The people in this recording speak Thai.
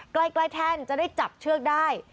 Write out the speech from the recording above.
ใกล้แท่นจะได้จับเชือกได้